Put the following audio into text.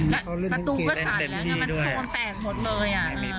แล้วประตูก็สั่นแล้วไงมันโซนแตกหมดเลย